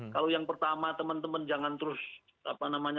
kalau yang pertama teman teman jangan terus apa namanya